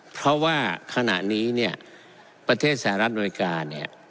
เพราะว่าขณะนี้เนี่ยประเทศสหรัฐอเมริกาเนี่ย